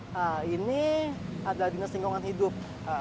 nah ini adalah dinas tinggongan hidup